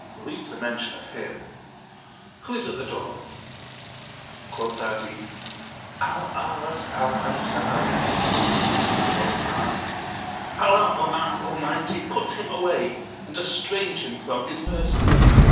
Leave the mention of him. Who is at the door?" Quoth 'Adi, "Al Ahwas al Ansari." Cried Omar, "Allah Almighty put him away, and estrange him from His mercy!